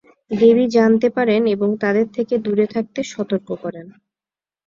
দেবী জানতে পারেন এবং তাদের থেকে দূরে থাকতে সতর্ক করেন।